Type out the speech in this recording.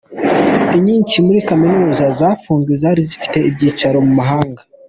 Inyinshi muri Kaminuza zafunzwe zari zifite ibyicaro mu mahanga.